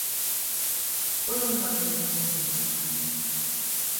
Pozsonyban végezte tanulmányait.